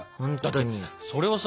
それをさ